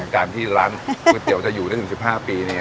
การที่ร้านก๋วยเตี๋ยวจะอยู่ได้ถึง๑๕ปีเนี่ย